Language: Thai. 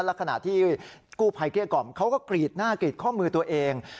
และขณะที่กู้ภัยเกลี้กล่อมเขาก็กรีดหน้ากรีดข้อมือตัวเอง